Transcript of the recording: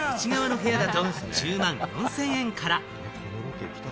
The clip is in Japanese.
ちなみに窓のない内側の部屋だと１０万４０００円から。